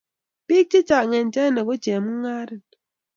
Biik chechang eng China ko chemung'arin